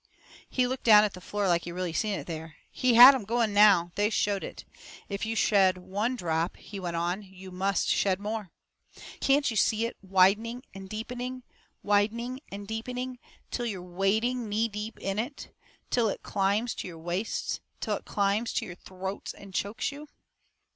He looked down at the floor, like he really seen it there. He had 'em going now. They showed it. "If you shed one drop," he went on, "you must shed more. Can't you see it widening and deepening, widening and deepening, till you're wading knee deep in it till it climbs to your waists till it climbs to your throats and chokes you?"